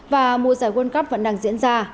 và mùa giải world cup vẫn đang diễn ra